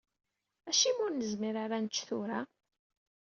Acimi ur nezmir ara ad nečč tura?